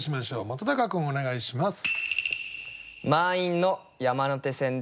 本君お願いします。